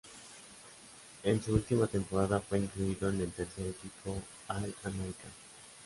En su última temporada fue incluido en el tercer equipo All-American.